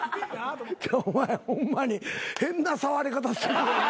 お前ホンマに変な触り方するよな。